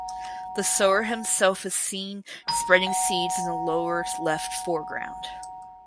The sower himself is seen spreading seeds in the lower left foreground.